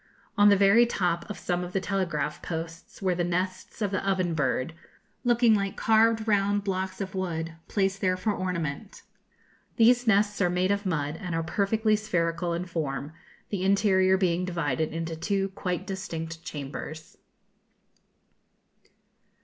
On the very top of some of the telegraph posts were the nests of the oven bird, looking like carved round blocks of wood, placed there for ornament. These nests are made of mud, and are perfectly spherical in form, the interior being divided into two quite distinct chambers. [Illustration: Prairie Dogs and Owls.